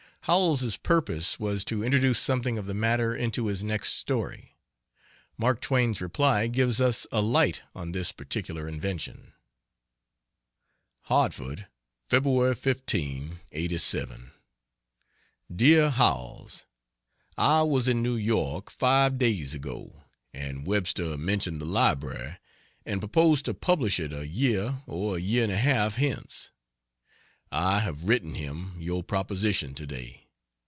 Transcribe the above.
Howells's purpose was to introduce something of the matter into his next story. Mark Twain's reply gives us a light on this particular invention. HARTFORD, Feb. 15, '87. DEAR HOWELLS, I was in New York five days ago, and Webster mentioned the Library, and proposed to publish it a year or a year and half hence. I have written him your proposition to day.